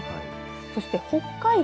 そして北海道。